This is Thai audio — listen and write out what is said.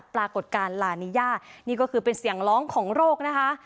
ปรากฏการณ์ลานิยานี่ก็คือเป็นเสียงร้องของโรคนะคะ